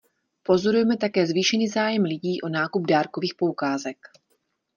Pozorujeme také zvýšený zájem lidí o nákup dárkových poukázek.